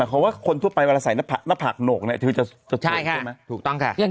ไม่เหมาะคนทั่วไปว่าใส่หน้าผักหน้าผักหนุ่มไอทีจะได้ถูกต้องการอย่าง